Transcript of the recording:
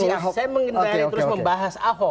nah saya menghindari terus membahas ahok